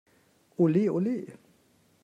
Olé, olé!